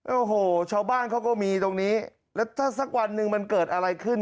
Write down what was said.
โอ้โหชาวบ้านเขาก็มีตรงนี้แล้วถ้าสักวันหนึ่งมันเกิดอะไรขึ้น